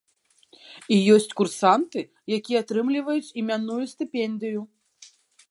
І ёсць курсанты, якія атрымліваюць імянную стыпендыю.